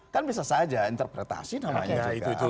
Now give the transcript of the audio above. kan bisa saja interpretasi namanya